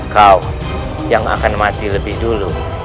kau yang akan mati lebih dulu